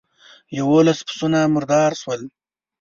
يوولس پسونه مردار شول.